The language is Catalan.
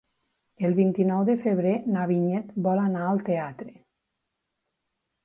El vint-i-nou de febrer na Vinyet vol anar al teatre.